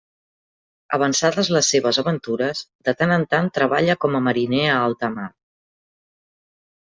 Avançades les seves aventures, de tant en tant treballa com a mariner a alta mar.